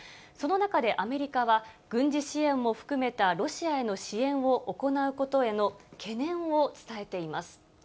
その中でアメリカは、軍事支援も含めたロシアへの支援を行うことへの懸念を伝えています。